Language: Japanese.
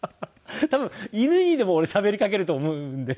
多分犬にでも俺しゃべりかけると思うんで。